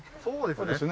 そうですね。